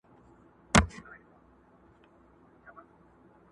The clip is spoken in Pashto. که لومړۍ ورځ يې پر غلا واى زه ترټلى.!